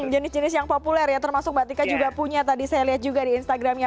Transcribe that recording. jenis jenis yang populer ya termasuk mbak tika juga punya tadi saya lihat juga di instagramnya